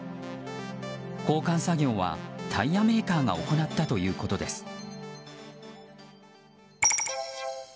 交換作業はタイヤメーカーが行ったということです。